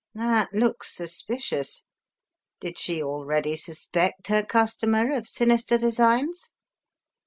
That looks suspicious. Did she already suspect her customer of sinister designs?"